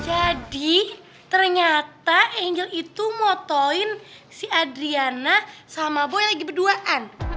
jadi ternyata angel itu motoin si adriana sama boy lagi berduaan